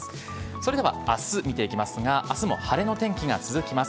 それではあす、見ていきますが、あすも晴れの天気が続きます。